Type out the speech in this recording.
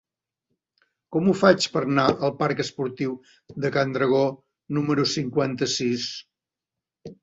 Com ho faig per anar al parc Esportiu de Can Dragó número cinquanta-sis?